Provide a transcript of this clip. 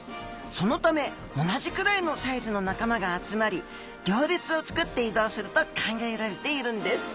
そのため同じくらいのサイズの仲間が集まり行列を作って移動すると考えられているんです。